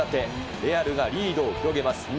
レアルがリードを広げます。